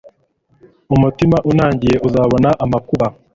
umutima unangiye uzabona amakuba